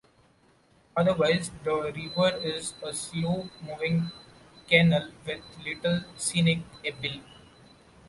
Otherwise, the river is a slow-moving canal with little scenic appeal.